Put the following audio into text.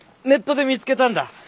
ネットで見つけたんだ。